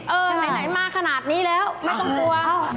ไหนมาขนาดนี้แล้วไม่ต้องกลัว